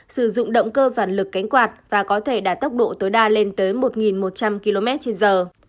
sử dụng động cơ bản lực cánh quạt và có thể đạt tốc độ tối đa lên tới một một trăm linh km trên giờ